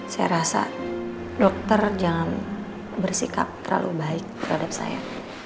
saya rasa dokter jangan bersikap terlalu baik terhadap saya